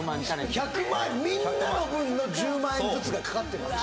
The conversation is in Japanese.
１００万みんなの分の１０万円ずつがかかってます